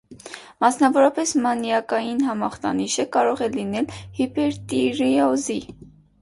Մասնավորապես, մանիակային համախտանիշը կարող է լինել հիպերտիրեոզի դրսևորում։